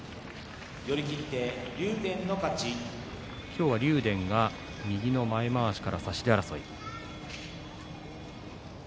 今日は竜電が右のまわしから差し手争い。